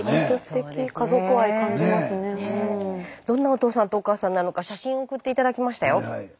どんなお父さんとお母さんなのか写真を送って頂きましたよ。